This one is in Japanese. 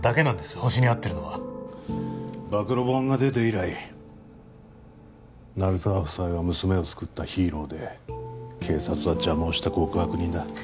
ホシに会ってるのは暴露本が出て以来鳴沢夫妻は娘を救ったヒーローで警察は邪魔をした極悪人だ